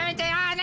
何？